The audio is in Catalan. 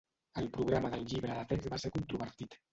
El programa del llibre de text va ser controvertit.